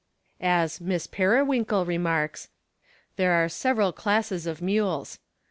As "Miss Periwinkle" remarks, there are several classes of mules.